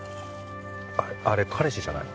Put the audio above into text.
あれ彼氏じゃない？